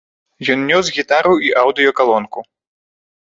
Ён нёс гітару і аўдыёкалонку.